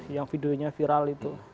yang videonya viral itu